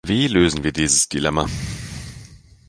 Wie lösen wir dieses Dilemma?